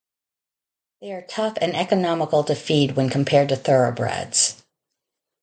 They are tough and economical to feed when compared to Thoroughbreds.